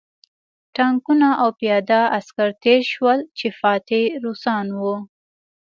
ټانکونه او پیاده عسکر تېر شول چې فاتح روسان وو